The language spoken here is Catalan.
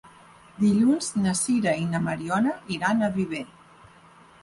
Dilluns na Sira i na Mariona iran a Viver.